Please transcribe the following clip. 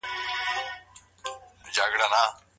د نجلۍ اقتصادي ژوند ارزول ولي مهم دي؟